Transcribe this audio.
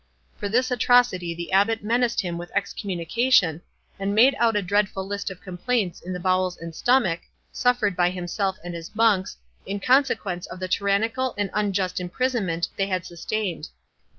For this atrocity the Abbot menaced him with excommunication, and made out a dreadful list of complaints in the bowels and stomach, suffered by himself and his monks, in consequence of the tyrannical and unjust imprisonment they had sustained.